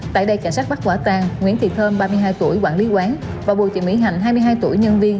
tại đây cảnh sát bắt quả tàn nguyễn thị thơm ba mươi hai tuổi quản lý quán và bùi thị mỹ hạnh hai mươi hai tuổi nhân viên